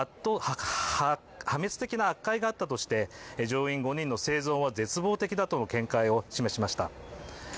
破滅的な圧壊があったとして乗員５人の生存は絶望的だとの見解を示しました。